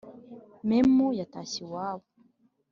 Memu yatashye iwabo